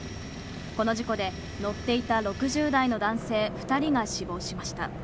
この事故で、乗っていた６０代の男性２人が死亡しました。